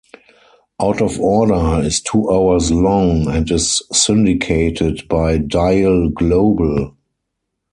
"Out of Order" is two hours long and is syndicated by Dial Global.